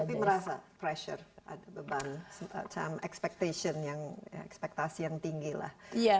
tapi merasa pressure ada beban time expectation ekspektasi yang tinggi lah